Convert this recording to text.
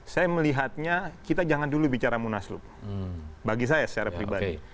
saya melihatnya kita jangan dulu bicara munaslup bagi saya secara pribadi